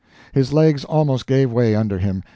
His legs almost gave way under him.